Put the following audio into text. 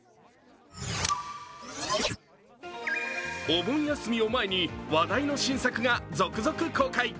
お盆休みを前に話題の新作が続々公開。